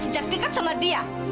sejak dekat sama dia